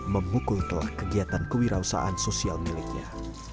memukul telah kegiatan kewirausahaan sosial miliknya